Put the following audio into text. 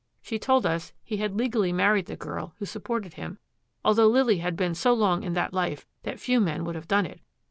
She told us he had legally married the girl who supported him, 'although Lily had been so long in that life that few men would have done it.